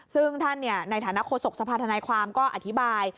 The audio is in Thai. ซึ่งท่านในฐานะโฆษกสภาธนายความก็อธิบาย